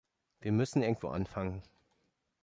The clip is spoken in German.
Wir müssen irgendwo anfangen.